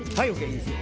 「いいですよ」